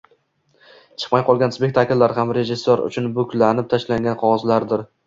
Chiqmay qolgan spektakllar ham, rejissyor uchun buklanib tashlangan qog‘ozlardir”